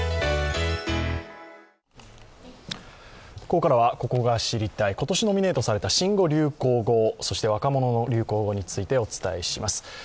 ここからは「ここが知りたい！」今年ノミネートされた新語・流行語そして若者の流行語についてお伝えします。